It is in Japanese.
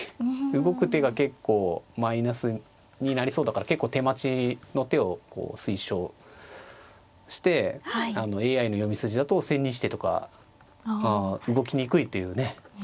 動く手が結構マイナスになりそうだから結構手待ちの手を推奨してＡＩの読み筋だと千日手とか動きにくいというね。